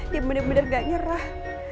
dia benar benar gak nyerah